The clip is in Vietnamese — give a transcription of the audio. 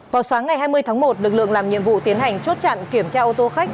vào sáng ngày hai mươi tháng một lực lượng làm nhiệm vụ tiến hành chốt chặn kiểm tra ô tô khách